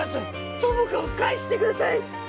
友果を返してください！